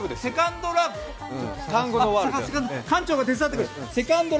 館長が手伝ってくれて。